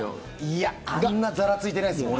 いやあんなざらついてないですよ